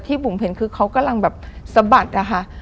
แต่ที่บุงเห็นคือเขากำลังสะบัดนะคะ